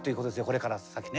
これから先ね。